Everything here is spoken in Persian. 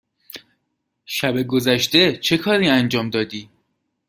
شب گذشته چه کاری انجام دادی؟